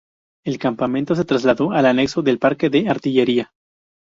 El campamento se trasladó al anexo del Parque de Artillería.